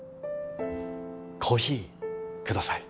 コーヒー下さい。